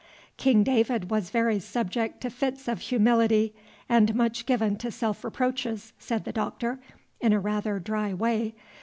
"King David was very subject to fits of humility, and much given to self reproaches," said the Doctor, in a rather dry way.